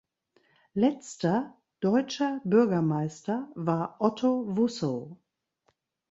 Letzter deutscher Bürgermeister war Otto Wussow.